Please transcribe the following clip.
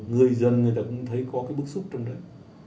người dân người ta cũng thấy có cái bức xúc trong đấy